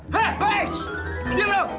hei diam dong